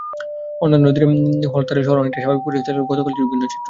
অন্যান্য দিনের হরতালে শহরে অনেকটা স্বাভাবিক পরিবেশ থাকলেও গতকাল ছিল ভিন্ন চিত্র।